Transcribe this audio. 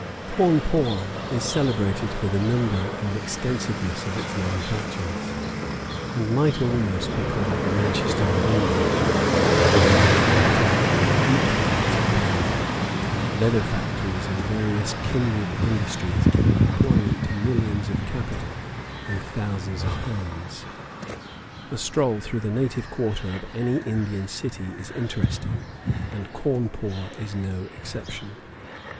Cawnpore is celebrated for the number and extensiveness of its manufactures, and might almost be called the Manchester of India; woollen, cotton, and jute mills abound, leather factories, and various kindred industries, giving employment to millions of capital and thousands of hands. A stroll through the native quarter of any Indian city is interesting, and Cawnpore is no exception.